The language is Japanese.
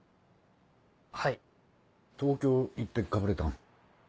東京行ってかぶれたん？